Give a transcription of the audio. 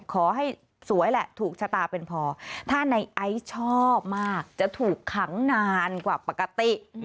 ขอให้สวยแหละถูกชะตาเป็นพอถ้าในไอซ์ชอบมากจะถูกขังนานกว่าปกติ